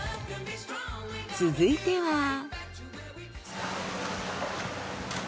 続いては。